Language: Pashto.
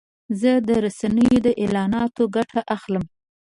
زه د رسنیو د اعلاناتو ګټه اخلم.